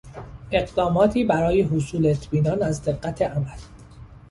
اقداماتی برای حصول اطمینان از دقت عمل